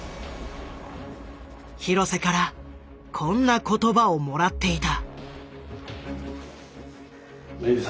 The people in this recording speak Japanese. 廣瀬からこんな言葉をもらっていた。